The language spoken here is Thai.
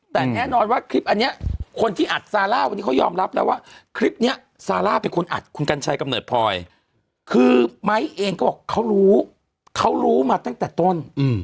แต่แน่นอนว่าคลิปอันนี้คนที่อัดซาร่าวันนี้เขายอมรับแล้วว่าคลิปนี้ซาร่าเป็นคนอัดคุณกัญชัยกำเนิดพลอยคือไม้เองก็บอกเขารู้เขารู้มาตั้งแต่ต้น